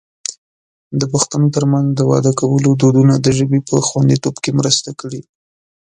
د پښتنو ترمنځ د واده کولو دودونو د ژبې په خوندیتوب کې مرسته کړې.